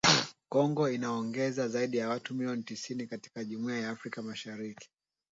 Kongo inaongeza zaidi ya watu milioni tisini katika Jumuiya ya Afrika Mashariki